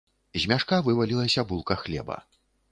З мяшка вывалілася булка хлеба.